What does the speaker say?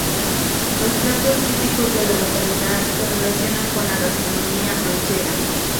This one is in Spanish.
Los platos típicos de la localidad se relacionan con la gastronomía manchega.